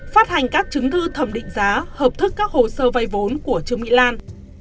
phát hành các chứng thư thẩm định giá hợp thức các hồ sơ vay vốn của trương mỹ lan